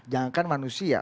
jangan kan manusia